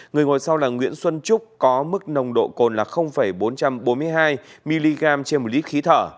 người ngồi sau là nguyễn xuân trúc có mức nồng độ cồn là bốn trăm bốn mươi hai mg trên một lít khí thở